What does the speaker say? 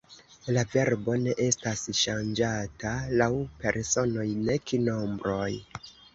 La verbo ne estas ŝanĝata laŭ personoj nek nombroj.